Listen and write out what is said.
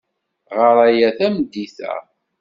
Ɣer aya tameddit-a.